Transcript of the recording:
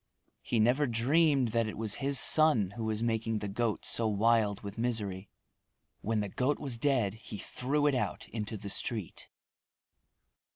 He never dreamed that it was his son who was making the goat so wild with misery. When the goat was dead he threw it out into the street.